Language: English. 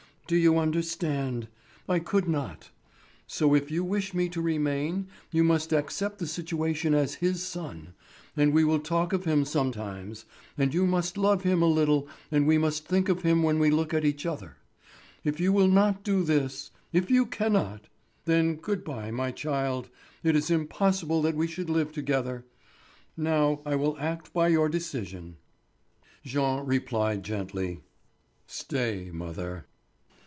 Do you understand? I could not. So if you wish me to remain you must accept the situation as his son, and we will talk of him sometimes; and you must love him a little and we must think of him when we look at each other. If you will not do this—if you cannot—then good bye, my child; it is impossible that we should live together. Now, I will act by your decision." Jean replied gently: "Stay, mother."